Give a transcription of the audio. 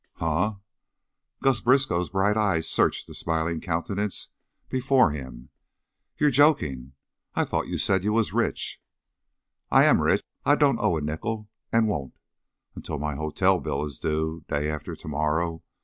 "Huh?" Gus Briskow's bright eyes searched the smiling countenance before him. "You're jokin'. I thought you said you was rich." "I am rich. I don't owe a nickel, and won't, until my hotel bill is due, day after to morrow.